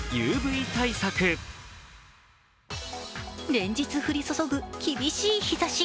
連日降り注ぐ厳しい日ざし。